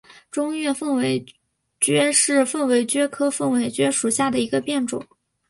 中越凤尾蕨为凤尾蕨科凤尾蕨属下的一个变种。